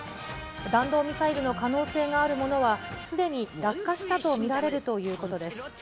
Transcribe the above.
弾道ミサイルの可能性があるものは、すでに落下したと見られるということです。